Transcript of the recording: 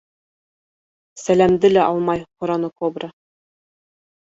— Сәләмде лә алмай һораны кобра.